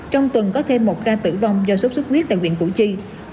trong tuần có thêm một ca tử vong do sốt sốt huyết tại viện củ chi